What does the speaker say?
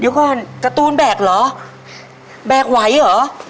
เดี๋ยวก่อนการ์ตูนแบกเหรอแบกไหวเหรอ